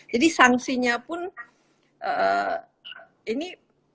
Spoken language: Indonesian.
jadi sanksinya pun ini